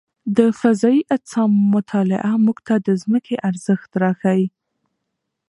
د فضايي اجسامو مطالعه موږ ته د ځمکې ارزښت راښيي.